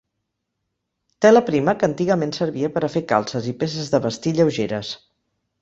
Tela prima que antigament servia per a fer calces i peces de vestir lleugeres.